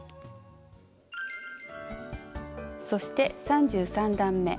そして３３段め。